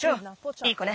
いい子ね。